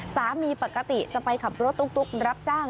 สามีปกติจะไปขับรถตุ๊กรับจ้าง